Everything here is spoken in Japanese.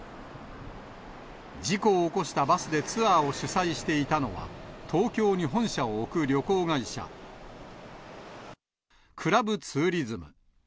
事故を起こしたバスでツアーを主催していたのは、東京に本社を置く旅行会社、クラブツーリズム。